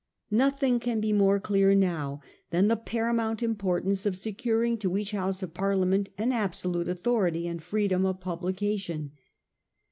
Nothing can be more clear now than the paramount importance of securing to each House of Parliament an absolute authority and freedom of publication.